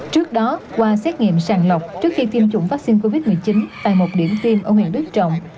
trước đó qua xét nghiệm sàng lọc trước khi tiêm chủng vaccine covid một mươi chín tại một điểm tiêm ở huyện đức trọng